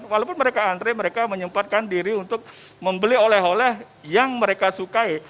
walaupun mereka antre mereka menyempatkan diri untuk membeli oleh oleh yang mereka sukai